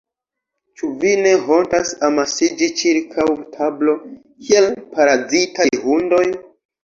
Ĉu vi ne hontas amasiĝi ĉirkaŭ tablo, kiel parazitaj hundoj?